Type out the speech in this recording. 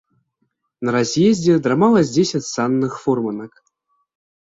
На раз'ездзе драмала з дзесяць санных фурманак.